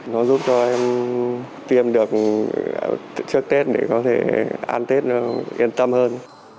nó giúp cho em tiêm được trước tết để có thể ăn tết nó yên tâm hơn